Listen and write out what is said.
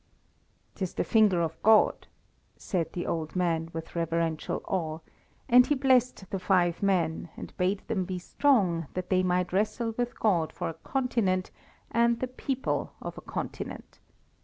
"'Tis the finger of God!" said the old man, with reverential awe, and he blessed the five men and bade them be strong that they might wrestle with God for a continent and the people of a continent.